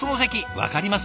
分かります？